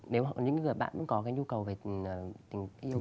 nếu những bạn cũng có cái nhu cầu về tình yêu